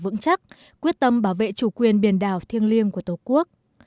phòng thủ vững chắc quyết tâm bảo vệ chủ quyền biển đảo thiêng liêng của tổ quốc